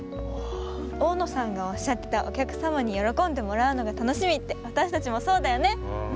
大野さんがおっしゃってたおきゃくさまによろこんでもらうのがたのしみってわたしたちもそうだよね。